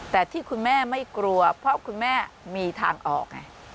แต่ที่คุณแม่ไม่กลัวเพราะคุณแม่มีทางออกไง